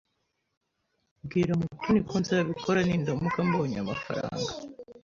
Bwira Mutoni ko nzabikora nindamuka mbonye amafaranga.